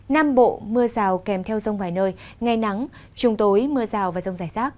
nam bộ mưa rào và rông vài nơi ngày nắng trùng tối mưa rào và rông dài sát